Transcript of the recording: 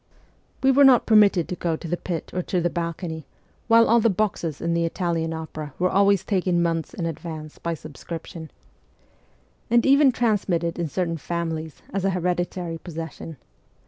We were not permitted to go to the pit or to the balcony, while all the boxes in the Italian opera were always taken months in advance 140 MEMOIRS OF A REVOLUTIONIST by subscription, and even transmitted in certain families as an hereditary possession.